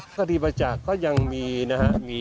คดีประจักษ์ก็ยังมีนะฮะ